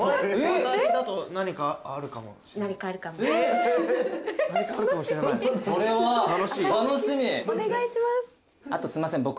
あとすいません僕。